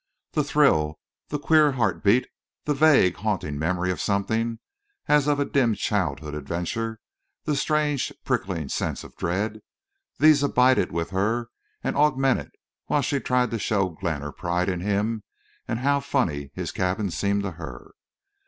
The thrill, the queer heartbeat, the vague, haunting memory of something, as of a dim childhood adventure, the strange prickling sense of dread—these abided with her and augmented while she tried to show Glenn her pride in him and also how funny his cabin seemed to her.